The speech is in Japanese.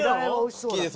好きです。